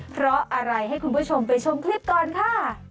เพราะอะไรให้คุณผู้ชมไปชมคลิปก่อนค่ะ